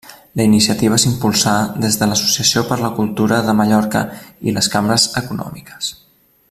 La iniciativa s'impulsà des de l'Associació per la Cultura de Mallorca i les cambres econòmiques.